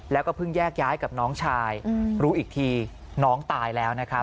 แล้วก็เพิ่งแยกย้ายกับน้องชายรู้อีกทีน้องตายแล้วนะครับ